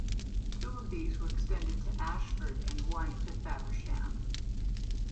Two of these were extended to Ashford and one to Faversham.